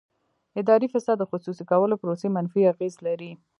اداري فساد د خصوصي کولو پروسې منفي اغېز لري.